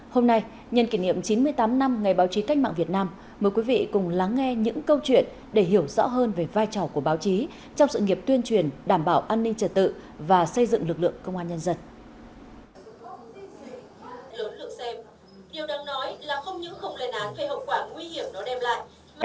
hôm nay nhân kỷ niệm chín mươi tám năm ngày báo chí cách mạng việt nam mời quý vị cùng lắng nghe những câu chuyện để hiểu rõ hơn về vai trò của báo chí trong sự nghiệp tuyên truyền đảm bảo an ninh trật tự và xây dựng lực lượng công an nhân dân